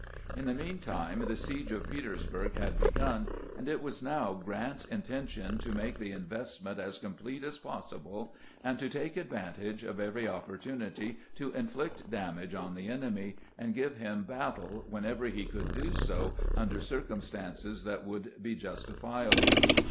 In the mean time the siege of Petersburg had begun, and it was now Grant's intention to make the investment as complete as possible, and to take advan tage of every opportunity to inflict damage on the en emy, and give him battle whenever he could do so under circumstances that would be justifiable.